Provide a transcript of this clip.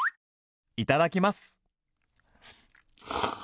いただきます！